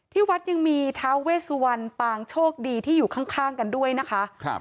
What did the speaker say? ที่วัดยังมีท้าเวสุวรรณปางโชคดีที่อยู่ข้างกันด้วยนะคะ